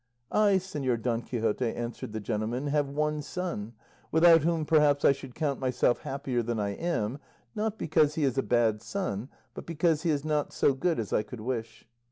"I, Señor Don Quixote," answered the gentleman, "have one son, without whom, perhaps, I should count myself happier than I am, not because he is a bad son, but because he is not so good as I could wish.